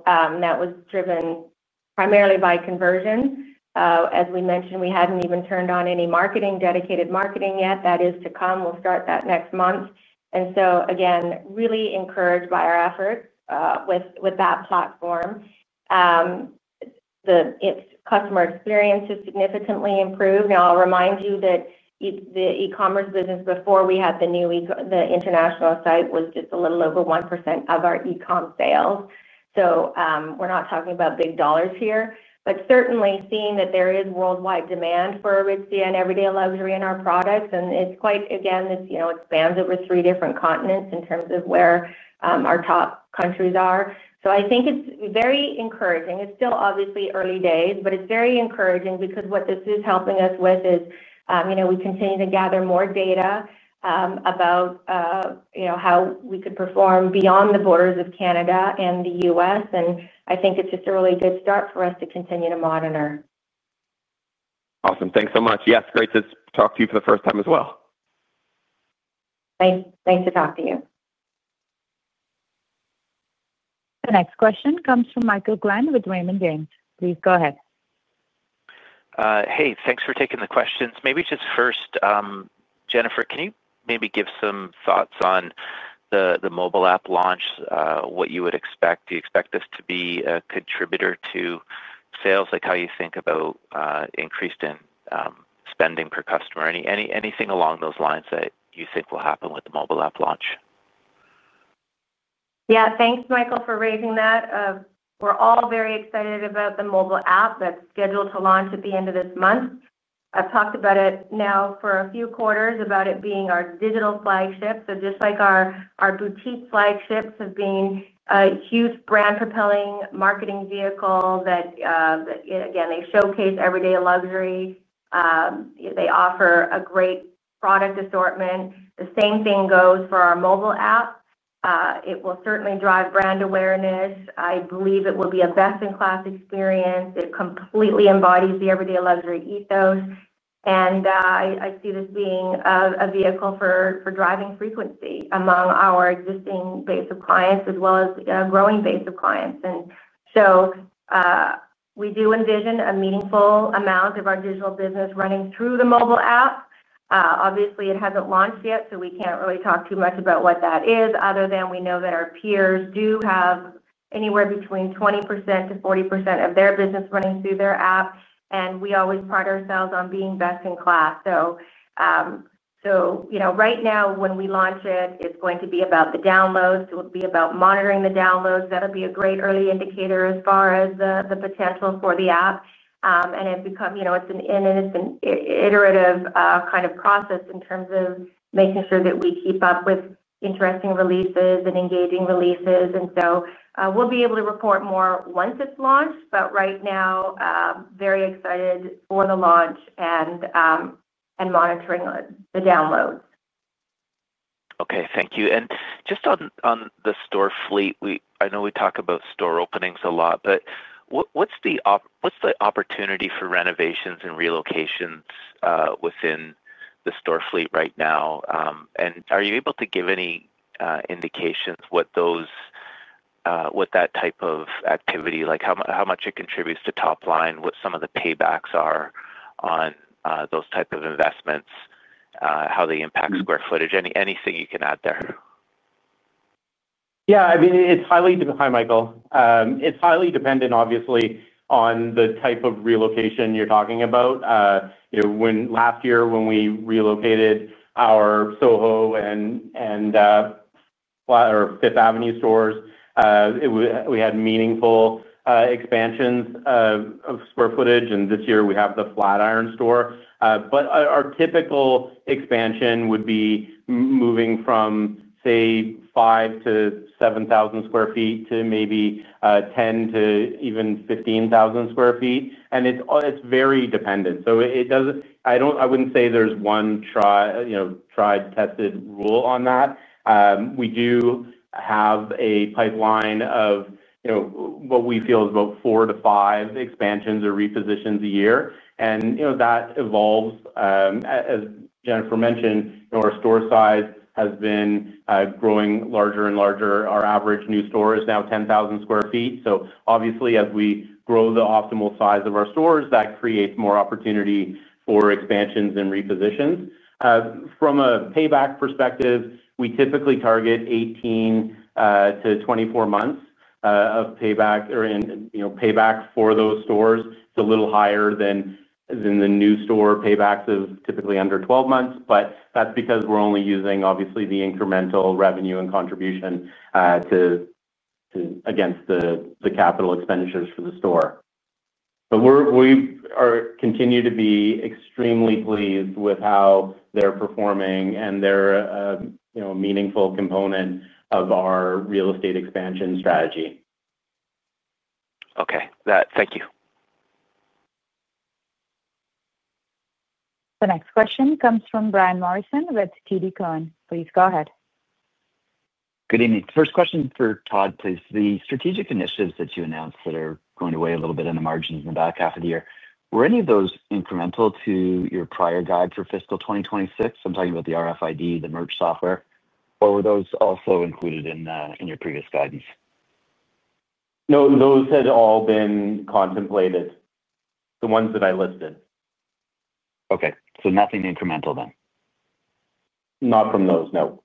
was driven primarily by conversion. As we mentioned, we hadn't even turned on any dedicated marketing yet. That is to come. We'll start that next month. Again, really encouraged by our efforts with that platform. The customer experience has significantly improved. I'll remind you that the e-commerce business before we had the new international site was just a little over 1% of our e-commerce sales. We're not talking about big dollars here. Certainly, seeing that there is worldwide demand for Aritzia and everyday luxury in our products, it spans over three different continents in terms of where our top countries are. I think it's very encouraging. It's still obviously early days, but it's very encouraging because what this is helping us with is we continue to gather more data about how we could perform beyond the borders of Canada and the U.S. I think it's just a really good start for us to continue to monitor. Awesome. Thanks so much. Yes, great to talk to you for the first time as well. Thanks. Nice to talk to you. The next question comes from Michael Glen with Raymond James. Please go ahead. Hey, thanks for taking the questions. Maybe just first, Jennifer, can you maybe give some thoughts on the mobile app launch, what you would expect? Do you expect this to be a contributor to sales, like how you think about increased spending per customer? Anything along those lines that you think will happen with the mobile app launch? Yeah. Thanks, Michael, for raising that. We're all very excited about the mobile app that's scheduled to launch at the end of this month. I've talked about it now for a few quarters about it being our digital flagship. Just like our boutique flagships have been a huge brand-propelling marketing vehicle that, again, showcase everyday luxury, they offer a great product assortment. The same thing goes for our mobile app. It will certainly drive brand awareness. I believe it will be a best-in-class experience. It completely embodies the everyday luxury ethos. I see this being a vehicle for driving frequency among our existing base of clients, as well as a growing base of clients. We do envision a meaningful amount of our digital business running through the mobile app. Obviously, it hasn't launched yet, so we can't really talk too much about what that is, other than we know that our peers do have anywhere between 20%-40% of their business running through their app. We always pride ourselves on being best in class. Right now, when we launch it, it's going to be about the downloads. It'll be about monitoring the downloads. That'll be a great early indicator as far as the potential for the app. It's an iterative kind of process in terms of making sure that we keep up with interesting releases and engaging releases. We'll be able to report more once it's launched. Right now, very excited for the launch and monitoring the downloads. Thank you. Just on the store fleet, I know we talk about store openings a lot. What's the opportunity for renovations and relocations within the store fleet right now? Are you able to give any indications what that type of activity, like how much it contributes to top line, what some of the paybacks are on those types of investments, how they impact square footage? Anything you can add there? Yeah. I mean, it's highly dependent, obviously, on the type of relocation you're talking about. Last year, when we relocated our SoHo and 5th Avenue stores, we had meaningful expansions of square footage. This year, we have the Flatiron store. Our typical expansion would be moving from, say, 5,000 sq ft-7,000 sq ft to maybe 10,000 sq ft to even 15,000 sq ft. It's very dependent. I wouldn't say there's one tried and tested rule on that. We do have a pipeline of what we feel is about four to five expansions or repositions a year, and that evolves. As Jennifer mentioned, our store size has been growing larger and larger. Our average new store is now 10,000 sq ft. Obviously, as we grow the optimal size of our stores, that creates more opportunity for expansions and repositions. From a payback perspective, we typically target 18-24 months of payback. Payback for those stores is a little higher than the new store paybacks of typically under 12 months. That's because we're only using, obviously, the incremental revenue and contribution against the capital expenditures for the store. We continue to be extremely pleased with how they're performing, and they're a meaningful component of our real estate expansion strategy. OK. Thank you. The next question comes from Brian Morrison with TD Cowen. Please go ahead. Good evening. First question for Todd, please. The strategic initiatives that you announced that are going away a little bit in the margins in the back half of the year, were any of those incremental to your prior guide for fiscal 2026? I'm talking about the RFID, the merge software. Or were those also included in your previous guidance? No, those had all been contemplated, the ones that I listed. OK. Nothing incremental then? Not from those, no.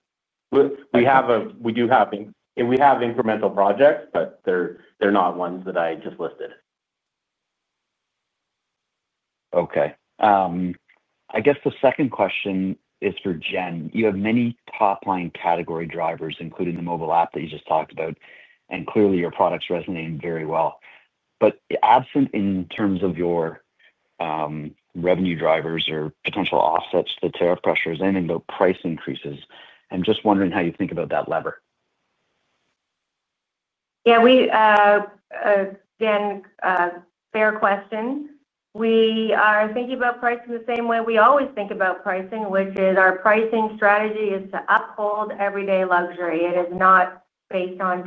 We do have incremental projects, but they're not ones that I just listed. OK. I guess the second question is for Jen. You have many top line category drivers, including the mobile app that you just talked about. Clearly, your products resonate very well. Absent in terms of your revenue drivers or potential offsets, the tariff pressures and the price increases, I'm just wondering how you think about that lever. Yeah. Fair question. We are thinking about pricing the same way we always think about pricing, which is our pricing strategy is to uphold everyday luxury. It is not based on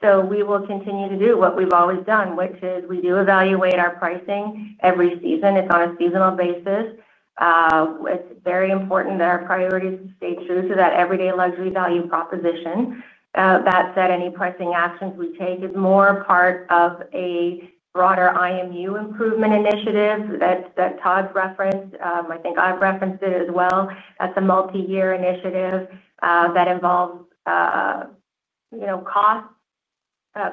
tariff. We will continue to do what we've always done, which is we do evaluate our pricing every season. It's on a seasonal basis. It's very important that our priorities stay true to that everyday luxury value proposition. That said, any pricing actions we take is more part of a broader IMU improvement initiative that Todd's referenced. I think I've referenced it as well. That's a multi-year initiative that involves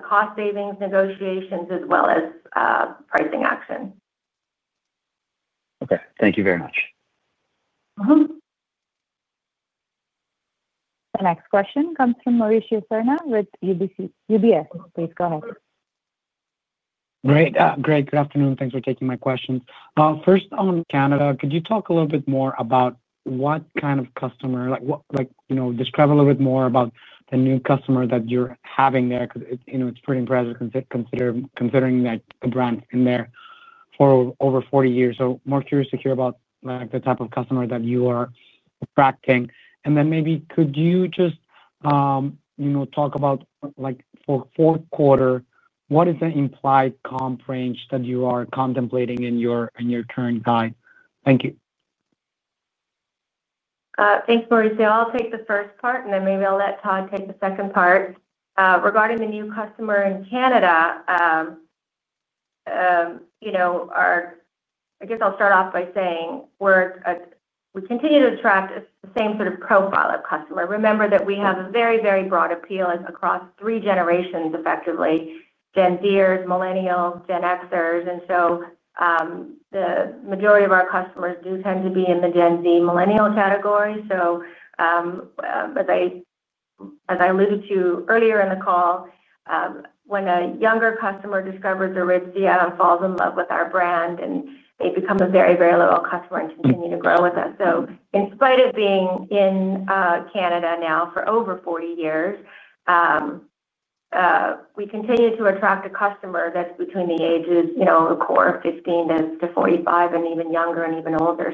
cost savings, negotiations, as well as pricing action. OK, thank you very much. The next question comes from Mauricio Serna with UBS. Please go ahead. Great. Good afternoon. Thanks for taking my question. First, on Canada, could you talk a little bit more about what kind of customer? Like, describe a little bit more about the new customer that you're having there, because it's pretty impressive considering the brand in there for over 40 years. I'm more curious to hear about the type of customer that you are attracting. Maybe could you just talk about, for the fourth quarter, what is the implied comp range that you are contemplating in your current guide? Thank you. Thanks, Mauricio. I'll take the first part, and then maybe I'll let Todd take the second part. Regarding the new customer in Canada, I guess I'll start off by saying we continue to attract the same sort of profile of customer. Remember that we have a very, very broad appeal across three generations, effectively: Gen Zers, Millennials, Gen Xers. The majority of our customers do tend to be in the Gen Z Millennial category. As I alluded to earlier in the call, when a younger customer discovers Aritzia and falls in love with our brand, they become a very, very loyal customer and continue to grow with us. In spite of being in Canada now for over 40 years, we continue to attract a customer that's between the ages, you know, the core of 15 to 45 and even younger and even older.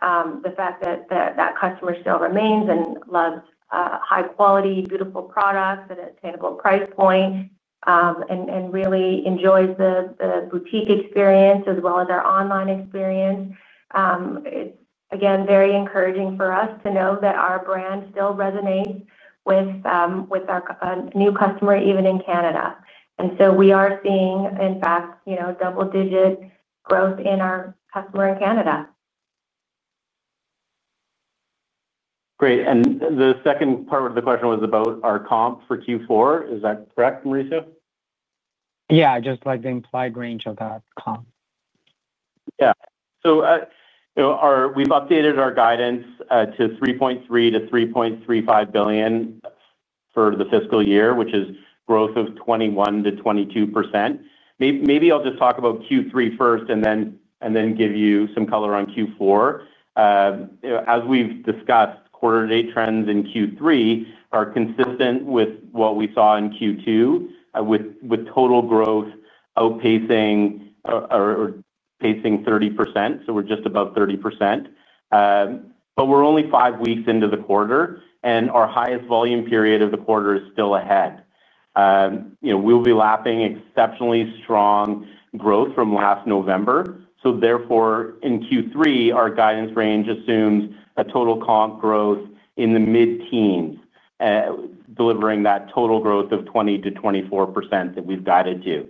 The fact that that customer still remains and loves high-quality, beautiful products at an attainable price point and really enjoys the boutique experience as well as our online experience, it's, again, very encouraging for us to know that our brand still resonates with our new customer, even in Canada. We are seeing, in fact, double-digit growth in our customer in Canada. Great. The second part of the question was about our comp for Q4. Is that correct, Mauricio? Yeah, just like the implied range of that comp. Yeah. We've updated our guidance to $3.3 billion-$3.35 billion for the fiscal year, which is growth of 21%-22%. Maybe I'll just talk about Q3 first and then give you some color on Q4. As we've discussed, quarter-to-date trends in Q3 are consistent with what we saw in Q2, with total growth outpacing 30%. We're just above 30%. We're only five weeks into the quarter, and our highest volume period of the quarter is still ahead. We'll be lapping exceptionally strong growth from last November. Therefore, in Q3, our guidance range assumes a total comp growth in the mid-teens, delivering that total growth of 20%-24% that we've guided to.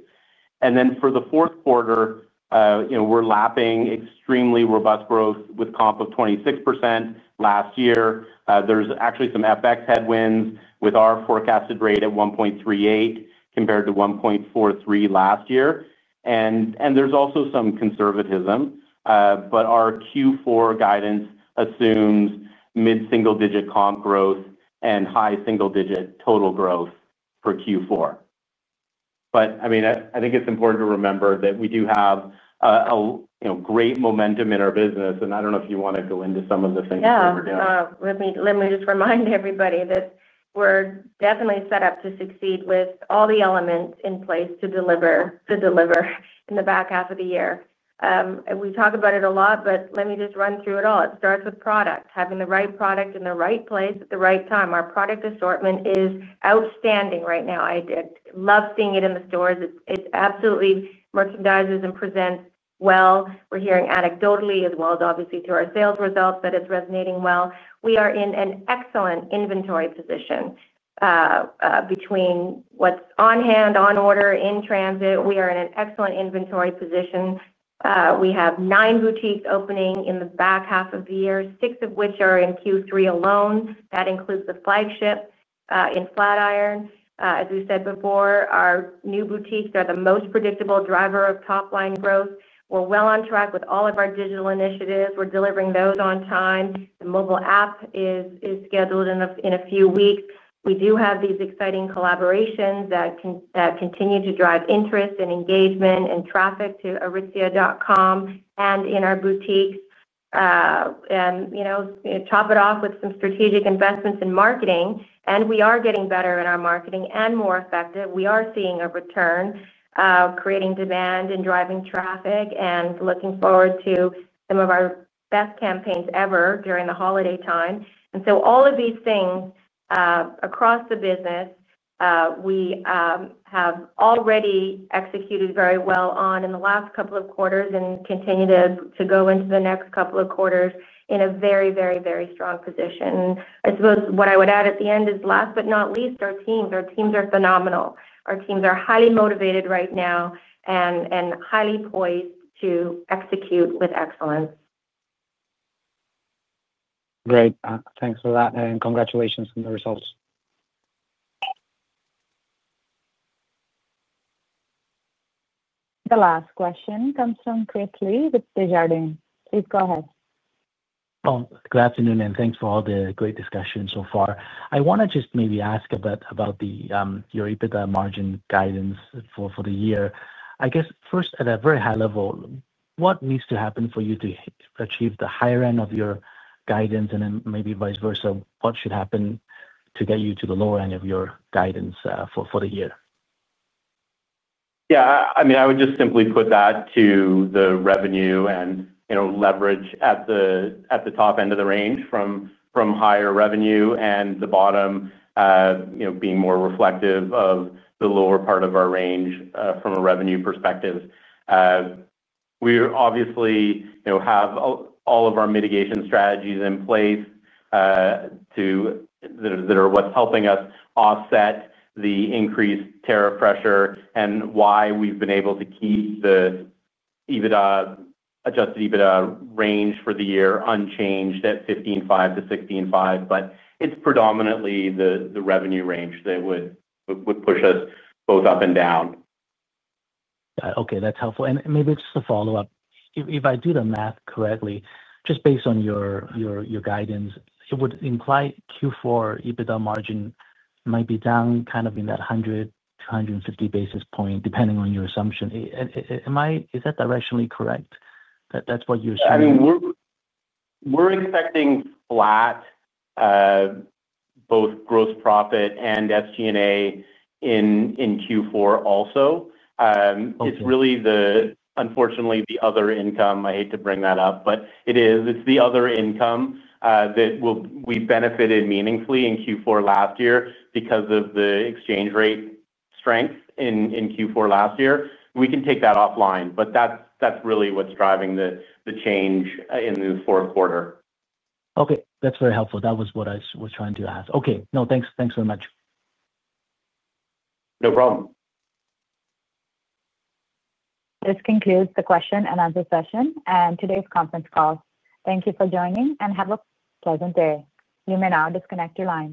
For the fourth quarter, we're lapping extremely robust growth with comp of 26% last year. There are actually some FX headwinds with our forecasted rate at 1.38 compared to 1.43 last year. There is also some conservatism. Our Q4 guidance assumes mid-single-digit comp growth and high single-digit total growth for Q4. I think it's important to remember that we do have great momentum in our business. I don't know if you want to go into some of the things that we're doing. Let me just remind everybody that we're definitely set up to succeed with all the elements in place to deliver in the back half of the year. We talk about it a lot, but let me just run through it all. It starts with product, having the right product in the right place at the right time. Our product assortment is outstanding right now. I love seeing it in the stores. It absolutely merchandises and presents well. We're hearing anecdotally as well, obviously, to our sales results, that it's resonating well. We are in an excellent inventory position between what's on hand, on order, in transit. We are in an excellent inventory position. We have nine boutiques opening in the back half of the year, six of which are in Q3 alone. That includes the flagship in Flatiron. As we said before, our new boutiques are the most predictable driver of top line growth. We're well on track with all of our digital initiatives. We're delivering those on time. The mobile app is scheduled in a few weeks. We do have these exciting collaborations that continue to drive interest and engagement and traffic to aritzia.com and in our boutiques. To top it off with some strategic investments in marketing. We are getting better in our marketing and more effective. We are seeing a return, creating demand and driving traffic and looking forward to some of our best campaigns ever during the holiday time. All of these things across the business, we have already executed very well on in the last couple of quarters and continue to go into the next couple of quarters in a very, very, very strong position. I suppose what I would add at the end is, last but not least, our teams. Our teams are phenomenal. Our teams are highly motivated right now and highly poised to execute with excellence. Great, thanks for that. Congratulations on the results. The last question comes from Chris Li with Desjardins. Please go ahead. Good afternoon. Thanks for all the great discussion so far. I want to just maybe ask a bit about your EBITDA margin guidance for the year. I guess, first, at a very high level, what needs to happen for you to achieve the higher end of your guidance? Maybe vice versa, what should happen to get you to the lower end of your guidance for the year? Yeah. I mean, I would just simply put that to the revenue and leverage at the top end of the range from higher revenue, and the bottom being more reflective of the lower part of our range from a revenue perspective. We obviously have all of our mitigation strategies in place that are what's helping us offset the increased tariff pressure and why we've been able to keep the adjusted EBITDA range for the year unchanged at 15.5%-6.5%. It's predominantly the revenue range that would push us both up and down. OK. That's helpful. Maybe just a follow-up. If I did the math correctly, just based on your guidance, it would imply Q4 EBITDA margin might be down in that 100-150 basis point, depending on your assumption. Is that directionally correct? That's what you're saying? We're expecting flat both gross profit and SG&A in Q4 also. It's really, unfortunately, the other income. I hate to bring that up, but it is. It's the other income that we benefited meaningfully in Q4 last year because of the exchange rate strength in Q4 last year. We can take that offline, but that's really what's driving the change in the fourth quarter. OK, that's very helpful. That was what I was trying to ask. OK, no, thanks. Thanks very much. No problem. This concludes the question-and-answer session and today's conference call. Thank you for joining and have a pleasant day. You may now disconnect your line.